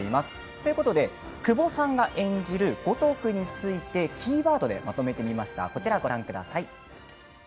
ということで久保さんが演じる五徳についてキーワードでまとめてみました。